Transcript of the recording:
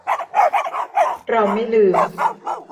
เราไม่ลืม